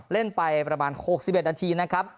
เล่นไปประมาณ๖๑นาทีนะครับ